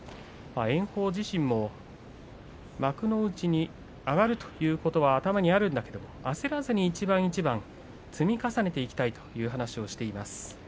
炎鵬自身も幕内に上がるということは頭にあるんだけども焦らずに一番一番積み重ねていきたいという話をしています。